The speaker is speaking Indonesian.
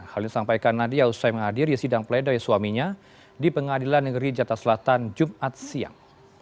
hal ini disampaikan nadia usai menghadiri sidang pledoi suaminya di pengadilan negeri jatah selatan jumat siang